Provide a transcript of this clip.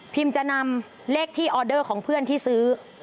จะนำเลขที่ออเดอร์ของเพื่อนที่ซื้อ